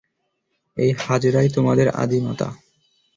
এই হাজেরাই তোমাদের আদি মাতা।